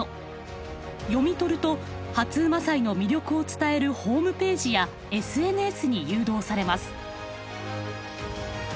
読み取ると初午祭の魅力を伝えるホームページやＳＮＳに誘導されます。